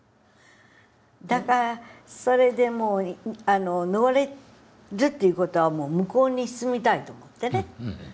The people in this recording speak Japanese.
だからそれでもう逃れるっていう事はもう向こうに住みたいと思ってね。